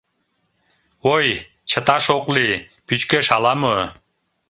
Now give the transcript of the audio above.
— Ой, чыташ ок лий, пӱчкеш ала-мо...